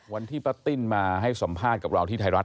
วันที่ปะตินมาให้สัมภาษณ์กับเราที่ไทยรัฐ